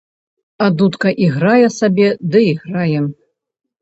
А дудка іграе сабе ды іграе.